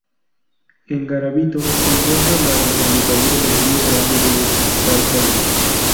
En Garabito se encuentra la desembocadura del Río Grande de Tárcoles.